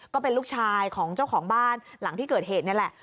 ก็เป็นลูกชายของเจ้าของบ้านหลังที่เกิดเหตุนี่แหละ